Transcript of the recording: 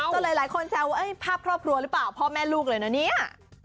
หลายคนแซวภาพครอบครัวหรือเปล่าพ่อแม่ลูกเลยนะเนี่ย